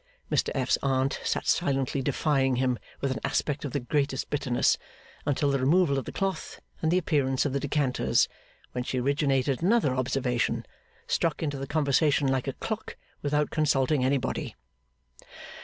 Mr F.'s Aunt sat silently defying him with an aspect of the greatest bitterness, until the removal of the cloth and the appearance of the decanters, when she originated another observation struck into the conversation like a clock, without consulting anybody.